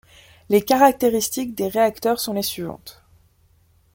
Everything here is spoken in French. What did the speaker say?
Les caractéristiques des réacteurs sont les suivantes.